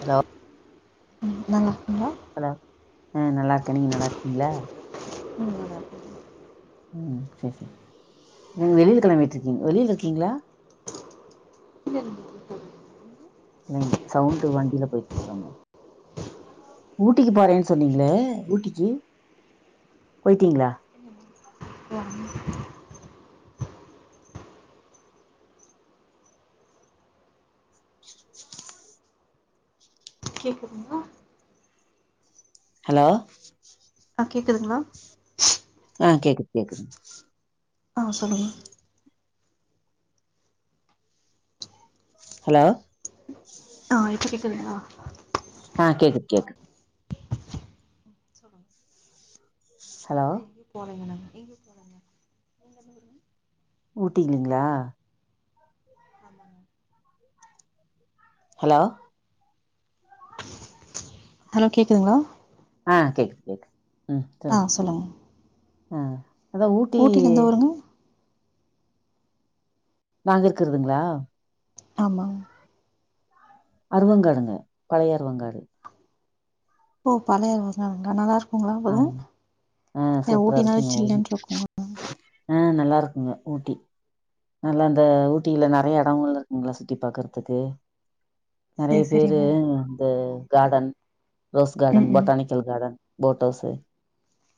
Hello ம் நல்லாரிக்கீங்களா hello ஆ நல்லா இருக்கே நீங்க நல்லா இருக்கீங்களா உம் உம் சரி சரி நீங்க வெளியில் கெளம்பிட்டு இருக்கீங்க வெளியில் இருக்கீங்களா நல்லா இருக்குது இல்லைங்கள சவுண்ட் வண்டியில போயிட்டு இருக்கறாங்க ஊட்டிக்கு போறேன்னு சொன்னீங்களே ஊட்டிக்கு போயிட்டீங்களா ஆ கேக்குதுங்களா ஹலோ அஹ் கேக்குதுங்களா ஆஹ் கேக்குது கேக்குது ஆஹ் சொல்லுங்க ஹலோ ஆஹ இப்போகேக்குதுங்களா ஆஹ் கேக்குது கேக்குது ஹலோ எங்கே போறீங்க எங்க போறேங்க நீங்க எந்த ஊரு ஊட்டிக்குங்களா ஆமாங்க ஹலோ ஹலோ கேக்குதுங்களா ஆஹ் கேக்குது கேக்குது ஆ சொல்லுங்க ஆஹ் அதான் ஊட்டி ஊட்டில எந்த ஊருங்க நாங்க இருக்குறதுங்களா ஆமா அருவங்காடுங்க பழைய அருவங்காடு ஓ பழைய வங்காடுங்களா நல்லா இருக்கும் ங்களா ஆமா அப்பதான் ஆ சூப்பரா ஊட்டினால சில்லுனு இருக்குங்களா ஆஹ் நல்லா இருக்குங்க ஊட்டி நல்லா அந்த ஊட்டியில நிறைய இடங்கள் இருக்குங்களா சுற்றி பாக்கறதுக்கு சரி நிறைய பேரு சரிங்க இந்த கார்டன் ரோஸ் ம் கார்டன் ம் போட்டானிக்கல் கார்டன் போட் ஹவுஸ்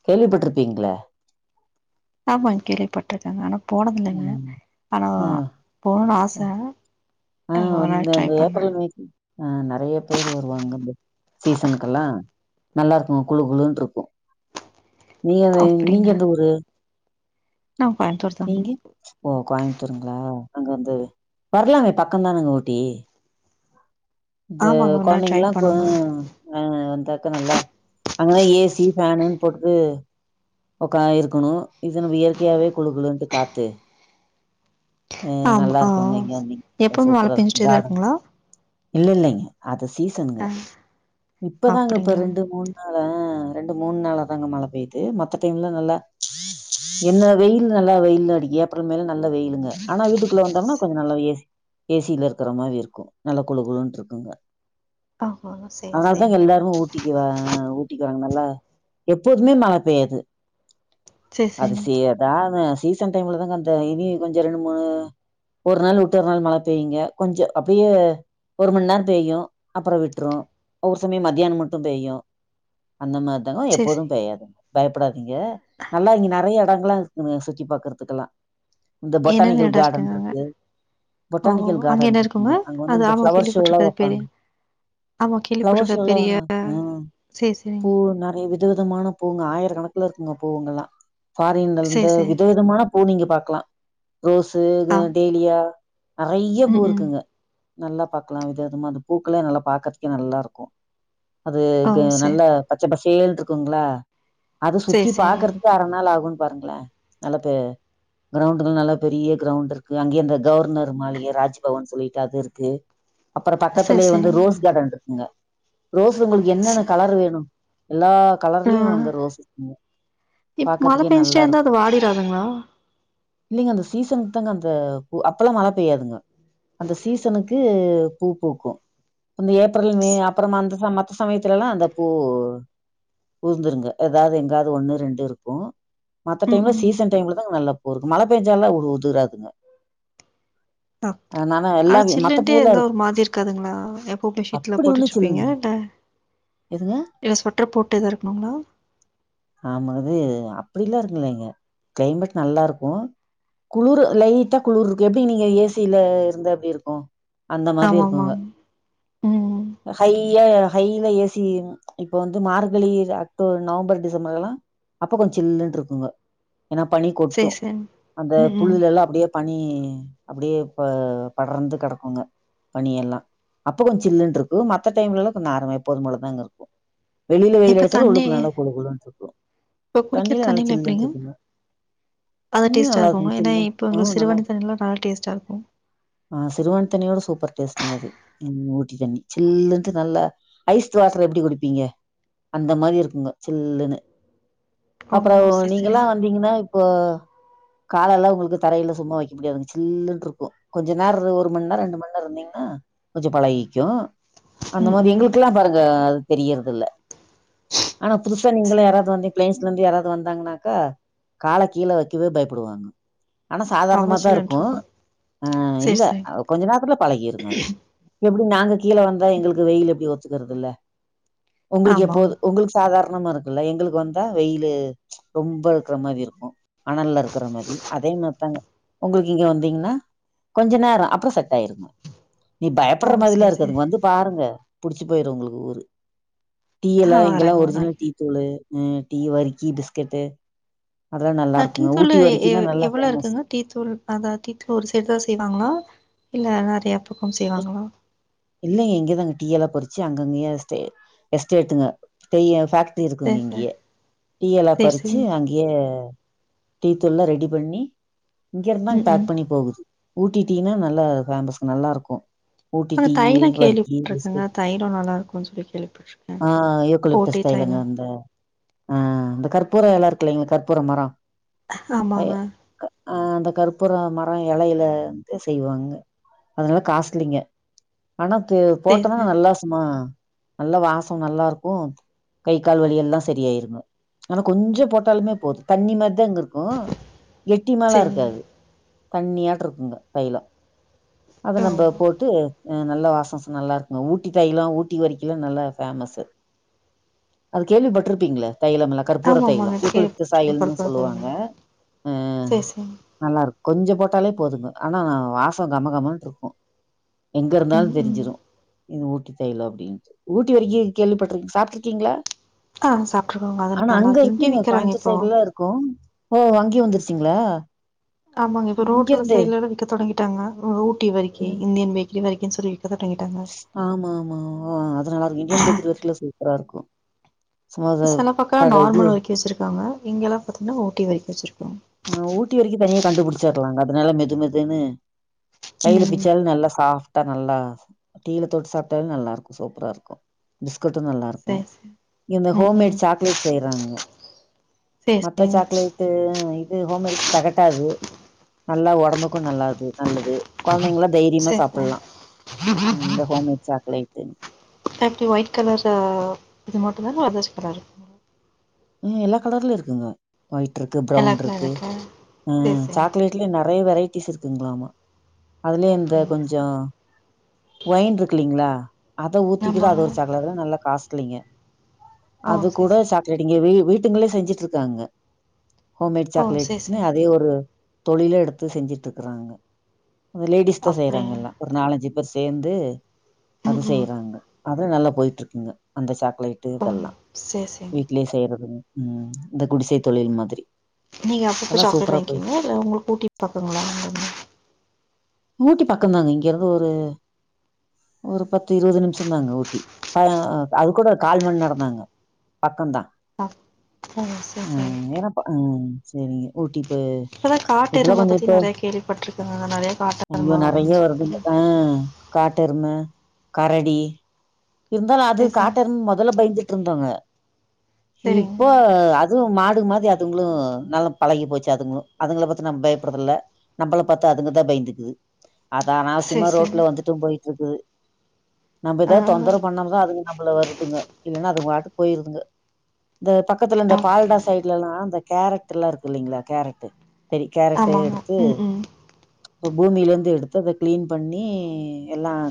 கேள்விப்பட்டிருப்பீங்களே ஆமா கேள்விப்பட்டிருக்கேங்க ஆனா போனதில்லைங்க ம் ஆனா போணும்னு ஆசை ஆ ஆஹ் ஒரு நாள் வந்து ட்ரை பண்ணேன் ஏப்ரல் மேக்கு அஹ் நிறைய பேர் வருவாங்க இந்த சீசனுக்கெல்லாம் நல்லா இருக்கும் குளு குளுன்னு இருக்கும் நீங்க நீங்க அப்படிங்களா எந்த ஊரு நான் கோயம்புத்தூர் தாங்க நீங்க ஓ கோயமுத்தூருங்களா அங்க வந்து வரலாமே பக்கம்தானங்க ஊட்டி இந்த ஆமாங்க ஒரு நாள் ட்ரை குழந்தைங்கல்லாம் பண்ணுங்க ஆஹ் வந்தா நல்ல அங்க ஏசி ஃபேனுன்னு போட்டுட்டு உக்கா இருக்கணும் இது நம்ம இயற்கையாவே குளு குளும்ட்டு காத்து வரும் ஆமா ஆஹ் எப்பவுமே மழை சூப்பரா இருக்கும். பெஞ்சுட்டேதான் கார்டன் இருக்குங்களா இல்ல இல்லைங்க அத சீசனுங்க ஆ இப்பதாங்க இப்ப அப்டிங்களா ரெண்டு மூண ஹன் ரெண்டு மூணு நாள தாங்க மழை போயு மத்த மத்த டைம்ல நல்லா என்ன வெயில் நல்லா வெயில் அடிக்கும் ஏப்ரல் மே ல நல்ல வெயிலுங்க ஆனா வீட்டுக்குள்ள வந்தோம்னா கொஞ்சம் நல்ல ஏசியில இருக்கற மாரி இருக்கும் நல்ல குளுகுளுன்னு இருக்குங்க ஆமாங்க சேரி அதனால தான் சேரிங்க எல்லாருமே ஊட்டிக்குவா ஊட்டிக்குவாங்க நல்லா எப்போழுதுமே மழை பெய்யாது சேரி அது சேரிங்க செய்ய தான் சீசன் டைம்ல தாங்க அந்த இனி கொஞ்சம் ரெண்டு மூணு ஒரு நாள் விட்டு ஒரு நாள் மழை பெய்யுங்க கொஞ்சம் அப்படியே ஒரு மணி நேரம் பெய்யும் அப்புறம் விட்டுரும் ஒவ்வொரு சமயம் மத்தியானம் மட்டும் பெய்யும் அந்த மாதிரி இல்லனா சேரி சேரி எப்போதும் பெய்யாதுங்க பயப்படாது ங்க நல்லா இங்க நிறைய இடங்களல்லாம் இருக்குங்க சுத்தி பாக்குறதுக்கெல்லாம் இந்த என்னென்ன பொட்டானிக்கல் எடோ கார்டன் இருக்குங்க அங்க இருக்கு ஓ பொட்டானிக்கல் அங்க கார்டன் என்ன இருக்குங்க அங்க வந்து அது இந்த ஆமா பிளவர் ஷோல்லாம் கேள்விப்பட்டிருக்கே அது பேரு வைப்பாங்க ஆமா பிளவர் கேள்விப்பட்டிருக்கே ஷோலாம் பெரிய சேரி சேரிங்க பூ நிறைய வித விதமான பூ ஆயிரக்கணக்கு இருக்குங்க பூவுங்களாம் பாரின்ல சேரி இருந்து சேரி விதவிதமான பூ நீங்க பாக்கலாம் ரோஸ்சு ஆ டேலியா நிறைய பூ ம் ம் இருக்குங்க நல்லா பாக்கலாம் விதவிதமா அந்த பூக்களே நல்லா பாக்கறதுக்கே நல்லா இருக்கும் அது ஓ இது சேரி நல்ல பச்சை பச தேழு இருக்குங்களா அது சேரி சுத்தி சேரிங்க பாக்குறதுக்கு அற நாள் ஆகும் பாருங்களேன் நல்லா பெ கிரௌண்ட்ல நல்லா பெரிய கிரௌண்ட் இருக்கு அங்கேயே இந்த கவர்னர் மாளிகை ராஜ்பவன் சொல்லிட்டு அது இருக்கு அப்புறம் சேரி பக்கத்துலயே வந்து சேரிங்க ரோஸ் கார்டன் இருக்குங்க ரோஸ் உங்களுக்கு என்னென்ன கலர் வேணும் எல்லா ஆ கலர்லயும் அங்க ரோசு இப்ப மழை பெஞ்சுட்டே இருந்தா அது இருக்கும். வாடிடாதுங்களா இல்லைங்க அந்த சீசனுக்கு தாங்க அந்த பூ அப்பல்லாம் மழை பெய்யாதுங்க அந்த சீசனுக்கு பூ பூக்கும் இந்த ஏப்ரல் மே அப்புறமா அந்த மத்த சமயத்துல எல்லாம் அந்த பூ பூந்துருங்க அதாவது எங்காவது ஒன்னு ரெண்டு இருக்கும் மத்த ம் டைம்ல ம் சீசன் டைம்ல தாங்க நல்லா ஒருக்கு மழை பெஞ்சாலும் உது உதுறாதுங்க ஆ ஆனா மத்த சில்லன்டே பூவெல்லாம் இருந்தா இருக்கும். ஒரு மாதிரி இருக்காதுங்களா எப்பவுமே ஹுட்டர் அப்படி போட்டு ஒண்ணும் சில்லுனு. வச்சிருப்பீங்களா என்ன எதுங்க? இல்ல ஸ்வட்டர் போட்டு ஏதா இருக்கணுங்களா ஆமா ஆது அப்டிலாம் இருக்குல்லங்க கிளைமேட் நல்லா இருக்கும் குளிர் லைட்டா குளிர் இருக்கும் எப்டி நீங்க ஏ சி யில இருந்தா எப்டி இருக்கும் அந்த மாதிரி ஆமாமா. இருக்குங்க ம். ஹையா ஹைல ஏ சி இப்ப வந்து மார்கழி அக்டோ நவம்பர் டி சம்பரல்லாம் அப்ப கொஞ்சம் சில்லுனு இருக்குங்க ஏன்னா பனி சரி, கொட்டும் சரி. அந்த ம். ம். புல்ல எல்லாம் அப்படியே பனி ம் அப்படியே இப்ப படர்ந்து கிடக்குங்க பனி எல்லாம் அப்ப கொஞ்சம் சில்லுன்னு இருக்கும் மத்த டைம்ல எல்லாம் கொஞ்சம் நார்ம எப்போதும் போலதாங்க இருக்கும் வெளியில வெய்யில் இப்ப அடைச்சா தண்ணி உள்ளுக்கு நல்லா குளு குளுன்னு இப்ப குடிக்கிற தண்ணியிலாம் நல்லா தண்ணிலாம் சில்லுனு எப்படிங்க? இருக்குங்க அது தண்ணில டேஸ்ட்டா நல்லா இருக்குங்க இருக்குங்களா? ஏன்னா சில்லுன்னு இப்ப உங்களுக்கு ம் நல்லா சிறுவாணி இரு தண்ணிலாம் நல்லா டேஸ்ட்டா இருக்கும். ஆ சிறுவானி தண்ணியோட சூப்பர் டேஸ்ட்டுங்க அது ஊட்டி தண்ணி சில்லுன்னுட்டு நல்லா ஐஸ் வாட்டர் எப்படி குடிப்பீங்க அந்த மாதிரி இருக்குங்க சில்லுன்னு அப்புறம் ஓ! சரி, சரிங்க. நீங்கல்லாம் வந்தீங்கன்னா இப்போ கால எல்லாம் உங்களுக்கு தரையில சும்மா வைக்க முடியாதுங்க சில்லுன்னு இருக்கும் கொஞ்சம் நேரம் ஒரு மணி நேரம் ரெண்டு மணி நேரம் இருந்தீங்கன்னா கொஞ்சம் பழகிக்கும் அந்த ம், மாதிரி ம். எங்களுக்கெல்லாம் பாருங்க தெரியறது இல்ல ஆனா புதுசா நீங்களா சரி. பிளைஸ்ல இருந்து யாராவது வந்தாங்கன்னாக்கா காலை கீழ வைக்கவே பயப்படுவாங்க ஆனா சாதாரணமா அவ்வளோ தான் சில்லுன்ட்டு இருக்கும் ஆ சரி, இல்ல சரி. கொஞ்ச நேரத்துல பழகி இருங்க எப்டி நாங்க கீழ வந்தா எங்களுக்கு வெயில் எப்டி ஒத் இருக்கறதில்ல உங்களுக்கு ஆமாங்க. எப்போது உங்களுக்கு சாதார் ணமா இருக்குல்ல எங்களுக் வந்தா வெயில்லு ரொம்ப அழுக்கற மாரி இருக்கு அனல்ல இருக்கிற மாரி அதே மாரித்தாங்க உங்களுக்கு இங்க வந்தீங்கன்னா கொஞ்ச நேரம் அப் ப்பறோ செட் ஆயிருங்க நீ ஓ! பயப்படுற மாரிலா சரி, சரி. இருக்காதுங்க வந்து பாருங்க புடிச்சி போயிரு உங்களுக்கு ஊரு டீ எல்லா ஆ இங்கெல்லா வரேங்க ஒரு ஒரிஜினல் நாளைக்கு. டீ தூளு ம் டீ வரிக்கி பிஸ்கெட்டு் ஆ டீ தூள் எ எவ்வள ஃபேமஸ் இருக்குங்க டீ தூள் அத டீத்துல ஒரு செட் தோசைய வாங்கனா இல்ல ந துக்கம் செய்வாங்களா இல்லிங்க எங்கயதாங்க டீ எல்லா பொரிச்சு அங்கங்கய எஸ் எஸ்டேட்டுங்க பெரிய ஃபேக் ட்டி இருக்குங்க சரி இங்கி சரி யே டீயலா சரி பறிச்சி சரிங்க. அங்கயே டீ தூள்ல்லா ரெடி பண்ணி இங்க இருந்தா அங்க ம் பேக் ம் பண்ணி போகுது ஊட்டி டீனா நல்லா பேமஸ் நல்லா இருக்கு ஊட்டி இப்ப டீயி தையெலோ வர்க்கி கேள்விப்பட்டிருக்கங்க பிஸ்கட் தைலும் நல்லா இருக்கும்ன்னு சொல்லி கேள்விப்பட்டுருக்கே ஆ போட்டி யூக்கலிப்டஸ் தைலங்க தைலோ அந்த ஆ இந்த கற்பூரம் இல இருக்கு இல்லலைங் கற்பூர மரோ அ ஆமாங்க அ அந்த கற்பூர மரோ இலையில வந்து செய்வாங்க அதனால காஸிலிங்க ஆனாக்கு சரி போட்டனா சரி நல்லா சும்மா நல்லா வாசம் நல்லா இருக்கு கை கால் வழிய எல்லா சரியாயிருங்க ஆனா கொஞ்சோ போட்டாலுமே போது தண்ணி மாரி த்த அங்க இருக்கு எட்டிமலா சரிங்க. இருக்காது தண்ணியாட்டு இருக்குங்க தைலோ அத ஓ நம்ம போட்டு நல்லா வாசம்ஸ் நல்லாருக்குங்க ஊட்டி தாயெல்லோ ஊட்டி வரிக்கிகெலா நல்லா ஃபேமஸ்ஸு அது கேள்வி பட்ருப்பீங்களே தைலமல்லா கற்பூர ஆமா ஆமாங்க தைலம் யுக்களிபடஸ் கேள்விப்பட்ருக்கே சாயலனுு பருப்பு சொல்லுவாங்க தைலம். சரி சரிங்க. நல்லாருக் கொஞ்சோ போட்டாலே போதுங்க ஆனா வாசோ கமகமன்னு இருக்கு எங்க இருந்தாலு ம் ம் தெரிஞ்சிரு ஊட்டி தையல அப்பிடின்னுட்டு ஊட்டி வரிக்கி கேள்விப்பட்டிருக்கீ சாப்பிட்டிருக்கீங்களா ஆ சாப்ட்டுருக்கோங்க அது நல்லா இருக் இங்கிய இருக்குங்க விக்கறாங்க கோயம்புத்தூர் இப்போ சைடுலா இருக்கு ஓ அங்கியு வந்துருச்சிங்களா ஆமாங்க இப்ப ரோட்ல சைட்ல எ விக்க தொடங்கிட்டாங்க ஊட்டி வருக்கி ம் இந்தியன் பேக்கரி வரைக்கு க செரி ஆமா ஆமா ஆ அதனாலா இருக்கு இந்தியன் பேக்கர் வரைக்குல சூப்பரா இருக்கு சில பக்கோ நார்மல் வர்க்கி வச்சிருக்காங்க இங்கெல்லா பாத்தீங்கனா ஊட்டி வருக்கி வச்சிருக்கு ஆ ஊட்டி வரிக்கி தனியா கண்டுபுடிச்சடலாங்க அதனால மெது மெது ன்னு கையில ம் பிச்சாலு நல்லா சாப் நல்லா டீல தொட்டு சாப்ட்டாலு நல்லா இருக்கு சூப்பரா இருக்கு நல்லா இருக்கு சேரி சேரி இந்த ம் ம் ஹோம்மேட் சாக்லேட் செய்றாங்க சேரி மத்த சேரிங்க சாக்லேட்டு ஹோமெடிஸ் தெகட்டாது நல்லா ஒடம்புக்கு நல்லாது நல்லது கொழந்தைங்கள்ளா தைரியமா சேரி சேரி சாப்டலா உம் இந்த ஹோம்மேட் சாக்லேட் எப்டி ஒயிட் கலரு இது மட்டும்தா வேதாஜு கலர் இருக்கு எ எல்லா கலர்லயு இருக்குங்க ஒயிட் இருக்கு எல்லா ப்ரவுன் கலரும் இருக்கு இருக்கா உ சேரி சேரி சாக்லேட்லயு நெ நெறய வெரைட்டிஸ் இருக்குங்களாமா அதுலயே இந்த அப்டிங்க கொஞ்சோ சேரி ஒய்ண் இருக்குலீங்ளா அத ஊத்திக்கிட்டு அது ஆமாங்க ஒரு சகலல நல்லா காச்டு இருக்குலீங்க ஓ அது சேரி கூட சேரி சாக்லேட் வீ வீட்டுங்களே செஞ்சுட்டு இருக்காங்க ஹோம்மேட் ஓ சேரி சாக்லேட்னு சேரி அதே ஒரு தொழில எடுத்து செஞ்சுட்டு இருக்குறாங்க அ லேடிஸ் தா அப்டியா செய்யறாங்கல்ல ஒரு நாலஞ்சு பேர் சேந்து அது ம் ம் செய்யுறாங்க அது நல்லா போய்ட்ருக்குங்க அந்த சாக் ம் செர் செரி செய்றது இந்த குடிசை தொழில் மாதிரி நீங்க அப்பப்ப எல்லா சாக்லேட் சூப்பரா போயிட்டு வாங்கிக்கீங்களா இல்ல உங்களுக்கு ஊட்டி பக்கங்களா ஊட்டி பக்கம்தாங்க இங்கிருந்து ஒரு ஒரு பத்து இருபது நிமிஷம் தாங்க ஊட்டி அது கூட கால்மந்நேரம் தாங்க பக்கம்தான் ஆ ஓ சேரி சேரி உம் ஏனப்பா உம் செரிங்க ஊட்டி இப்ப இப்பதான் இப்பல்லாம் காட்டெருமை கொஞ்சம் பத்தி இப்ப நெறய கேள்விப்பட்ருக்கங்க நெறய காட்டு ஐயோ நெறய வருதுங்க ஆஹ் காட்டு எருமை கரடி இருந்தாலும் அது சரி காட்டெருமனு முதல்ல பயந்துட்டு இருந்தாங்க சரி சரிங்க இப்போ அதுவும் மாடு மா அதுங்களும் நல்லா பழகி போச்சு அதுங்களும் அதுங்கள பாத்து நம்ம பயப்படுறதுல்ல நம்மள பாத்தா அதுங்கதான் பயந்துக்குது அதான் நான் சரி சும்மா சரி ரோட்ல வந்துட்டு போயிட்டு இருக்கு நம் ஆ தொந்தரவு பண்ணாம தான் அதுங்க நம்மள வருதுங்க இல்லன்னா அது பாட்டு போயிருங்க இந்த பக்கத்துல இந்த ஆ பால்டா சைட்லலாம் அ கேரட் எல்லாம் இருக்கு இல்லைங்களா கேரட்டு் பெரிய கேரட் ஆமாங்க எடுத்து ம் ம் இப்ப பூமில இருந்து எடுத்து அத கிளீன் பண்ணி எல்லாம்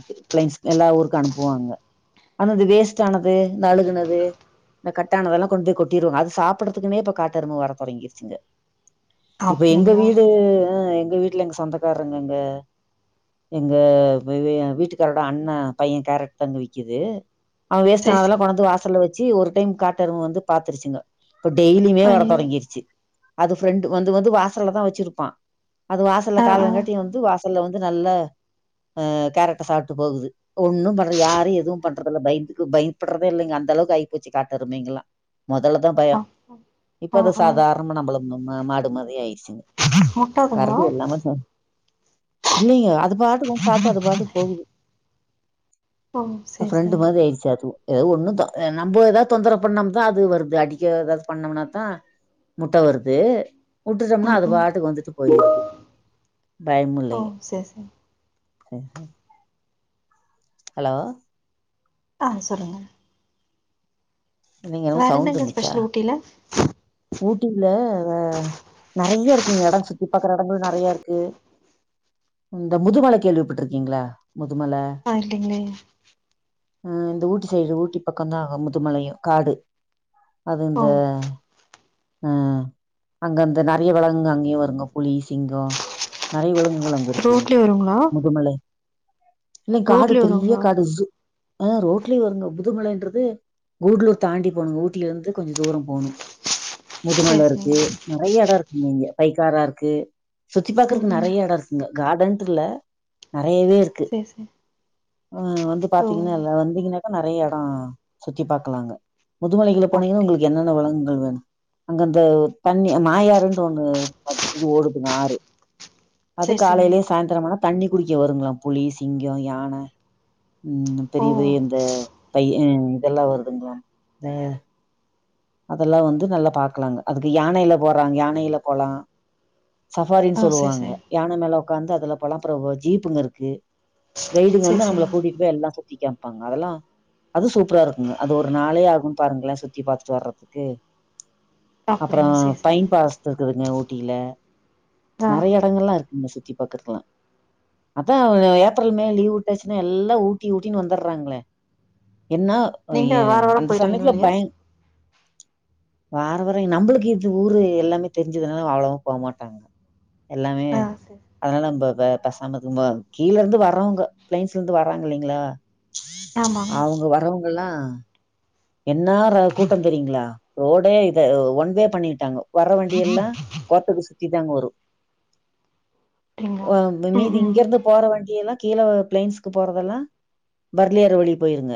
எல்லா ஊருக்கு அனுப்ப புவாங்க ஆனா இது வேஸ்ட் ஆனது இந்த அழுகுனது இந்த கட் ஆனதுலாம் கொண்டு போய் கொட்டிருவாங்க அது சாப்டறதுக்குன்னே இப்ப காட்டெரும வர தொடங்கிருச்சுங்க இப்ப எங்க அப்படிங்களா வீடு எங்க வீட்ல எங்க சொந்தக்காரங்க எங்க வீட்டுக்காரோட அண்ணன் பையன் கேரக்ட் தாங்க விக்குது அவன் சரி வேஸ்டான சரி அதலாம் கொண்டு வந்து வாசல்ல வச்சு ச்சி ஒரு டைம் காட்டறும வந்து பாத்துருச்சுங்க இப்ப டெய்லியுமே வர ஐயோ தொடங்கிருச்சு அது ப்ரெண்டு் வந்து வந்து வாசல்ல தான் வச்சிருப்பான் அது வாசல ஆ ஆ காலங்காட்டும் வந்து வாச ல்ல நல்லா கேரக்டா சாப்டிட்டு போகுது ஒண்ணு பண்ண யாரும் எதுவும் பண்றதுல பயந்துக்கு பயப்படுறதே இல்லங்க அந்தளவுக்கு ஆகிப்போச்சி காட்டுருமைங்களா முதல்லதான் பயம் ஆ இப்ப ஆ அது ஆ சாதாரண நம்மள மா மாடு மாதிரி ஆயிடுசுங்க முட்டாதுங்க இல்லைங்க அதுக் பாட்டுக்கு வந்து சாப்டுட்டு அது பாட்டுக்கு போகுது ஓ சரி சரி ப்ரெண்டு மாதிரி ஆயிடுச்சு அது ஏ ஒண்ணுதா நம்ம ஏதாவது தொந்தர பண்ணோம் தான் அது வருது அடிக்க ஏதாவது பண்ணோம்னாதான் முட்ட வருது விட்டுட்டோம்னா ம் அது ம் பாட்டுக்கு வந்துட்டு போயிருது பயமும் இல்ல ஓ சரி சரி ம் ஹலோ ஆஹ் சொல்லுங்க நீங்க என்னமோ வேற சவுண்ட் என்னங்க வந்துச்சா ஸ்பெஷல் ஊட்டில ஊட்டில நிறைய இருக்கு இடம் சுத்தி பார்க்குற இடங்களும் நிறைய இருக்கு இந்த முதுமலை கேள்விப்பட்டிருக்கீங்களா முதுமலை ஆஹ் இல்லைங்களே அஹ் இந்த ஊட்டி சைடு ஊட்டி பக்கம் தான் ஆகும் முதுமலையும் காடு அது இந்த ஓ அஹ் அங்கந்த நிறைய விலங்கு அங்கயும் வருங்க புலி சிங்கம் நிறைய விலங்கு அங்க இருக்கீங்க ரோட்லயே வருங்களா முதுமலை இல்லங்க காடு ரோட்லயே பெரிய வருங்களா காடு ஆஹ் ரோட்லயே வருங்க முதுமலைன்றது கூடலூர் தாண்டி போனங்க ஊட்டில இருந்து கொஞ்சம் தூரம் போகணும் முதுமல சரி இருக்கு சரி நிறைய இடம் இருக்கு இங்க வைக்காரா இருக்கு சுத்தி ம் பாக்குறக்கு ம் நிறைய இடம் இருக்குங்க கார்டன் இல்ல நிறையவே இருக்கு சரி சரி ஆஹ வந்து ஓ பாத்தீங்கன்னா இல்ல வந்தீங்கன்னா நெறைய எட சுத்தி பாக்கலாங்க முதுமலைகளை போனீங்கன்னா அப்படியா உங்களுக்கு என்னென்ன வழங்குங் அ அங்க இந்த தண்ணி மாயாருனு ஒண்ணு இது ஓடுதுங்க ஆறு அது சரி சரிங்க காலையிலே சாயந்திரமானா தண்ணி குடிக்க வருங்களாம் புலி சிங்க யானை உம் ஓ பெரிய பெரிய இந்த பயிர் ம் இதெல்லாம் வருதுங்களா அதெல்லாம் வந் து நல்லா பாக்கலாங்க அதுக்கு யானையல போறாங்க யானையில போலாம் ஓ சஃபாரின்னு சேரி சொல்லுவாங்க சேரி யானை மேல உக்காந்து அதுல போல அப்புற ஜீப்புங்க இருக்கு கைடுங்க சேரி வந்து நம்மள சேரிங்க கூட்டிட்டு போய் எல்லா சுத்திக்காம் ப்பாங்க அதெல்லா அது சூப்பரா இருக்குங்க அது ஒரு நாளே ஆகும்ன்னு பாருங்களன் சுத்தி பாத்துட்டு வறதுக்கு அப்டிங்க அப்புறம் சேரி சேரிங்க பைன் பாஸ்த்து இருக்குதுங்க ஊட்டில ஆ நெறய இடங்களேல்லாம் இருக்குங்க சுத்தி பாக்கறதுக்கெல்லாம் அதான் ஏப்ரல் மே லீவ் விட்டாச்சுன்னா எல்லா ஊட்டி ஊட்டின்னு வந்துடுறாங்களே என்ன நீங்க வார வாரம் அந்த போயிருவீங்க சமயத்துல வெளிய பய வார வாரம் நம்மளுக்கு இது ஊரு எல்லாமே தெரிஞ்சதுனால அவ்வளவா போக மாட்டாங்க எல்லாமே ஆ சேரி அதனால நம்ப பசாமம்பதுக்கும்ப கீழே இருந்து வறவங்க பிளைன்ஸ்ல இருந்து வர்றாங்க இல்லைங்களா ஆமாங்க அவுங்க வரவுங் எல்லா என்னா கூட்ட தெரியுங்களா ரோடே இத ஒன்வே பண்ணிட்டாங்க வர வண்டி எல்லா கோத்தக்குசு கிதங்கூரு அப்டிங்களா ம் மீதி ம் இங்கிருந்து போற வண்டியெல்லா கீழே பிளைன்ஸ்க்கு போறதெல்லாம் பர்லியர் வழி போயிருங்க